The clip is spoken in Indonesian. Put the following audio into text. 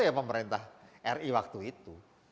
ya pemerintah ri waktu itu